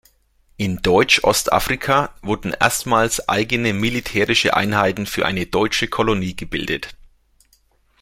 In Deutsch-Ostafrika wurden erstmals eigene militärische Einheiten für eine deutsche Kolonie gebildet.